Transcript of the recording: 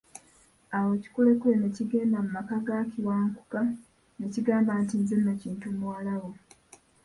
Awo ekikulekule ne kigenda mu maka ga Kiwankuka ne kigamba nti, nze Nakintu muwala wo.